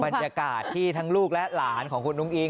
บรรยากาศที่ทั้งลูกและหลานของคุณอุ้งอิง